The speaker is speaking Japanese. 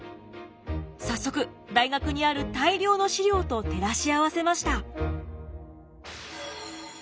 早速大学にある大量の資料と照らし合わせました。